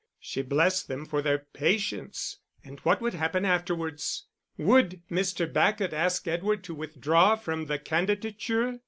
She blessed them for their patience. And what would happen afterwards? Would Mr. Bacot ask Edward to withdraw from the candidature?